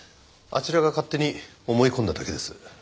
あちらが勝手に思い込んだだけです。